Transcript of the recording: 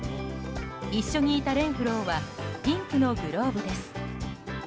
一緒にいたレンフローはピンクのグローブです。